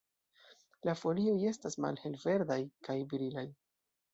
La folioj estas malhelverdaj kaj brilaj.